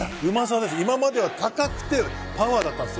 今までは高くてパワーだったんです。